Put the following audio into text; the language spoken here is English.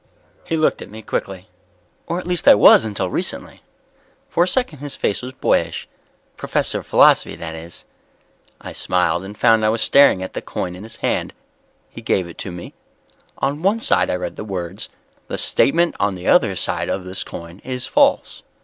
He looked at me quickly. "Or at least I was until recently." For a second his face was boyish. "Professor of Philosophy, that is." I smiled and found that I was staring at the coin in his hand. He gave it to me. On one side I read the words: THE STATEMENT ON THE OTHER SIDE OF THIS COIN IS FALSE.